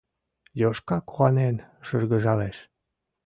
Йошка куанен шыргыжалеш.